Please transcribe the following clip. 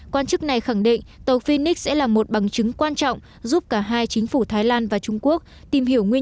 quan chức này khẳng định tàu phinics sẽ là một bằng chứng quan trọng giúp cả hai chính phủ thái lan và trung quốc tìm hiểu nguyên